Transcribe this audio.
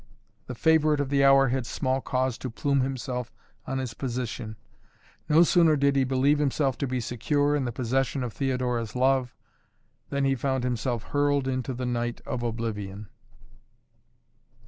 The favorite of the hour had small cause to plume himself on his position. No sooner did he believe himself to be secure in the possession of Theodora's love, than he found himself hurled into the night of oblivion.